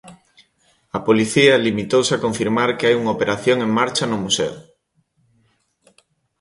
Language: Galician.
A Policía limitouse a confirmar que hai unha operación en marcha no museo.